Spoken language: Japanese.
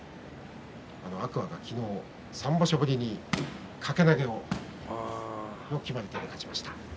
天空海が３場所ぶりに掛け投げの決まり手で勝ちました。